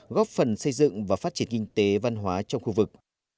góp phần xây dựng và phát triển kinh tế văn hóa trong khu vực